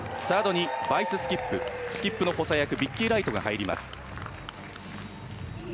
サードにバイススキップスキップの補佐役ビッキー・ライトが入ります。